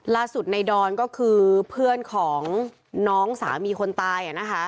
ล่าสุดในดอนก็คือเพื่อนของน้องสามีคนตาย